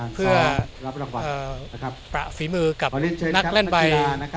ประภีมือกับนักเล่นใบ